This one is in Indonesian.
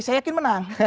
saya yakin menang